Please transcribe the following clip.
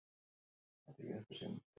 Bere hiriburua eta udalerri bakarra Paris da.